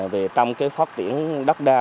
về trong cái phát triển đất đa